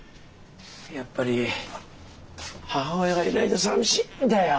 やっぱり母親がいないとさみしいんだよ。